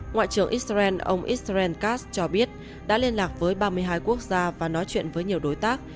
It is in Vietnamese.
ngoại trưởng israel ông israel kass cho biết đã liên lạc với ba mươi hai quốc gia và nói chuyện với nhiều đối tác